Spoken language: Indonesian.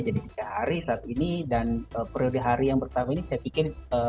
jadi tiga hari saat ini dan periode hari yang bertahun tahun ini saya pikir